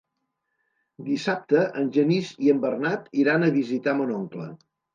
Dissabte en Genís i en Bernat iran a visitar mon oncle.